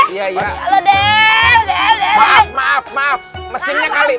ini mobil ketabunan masya allah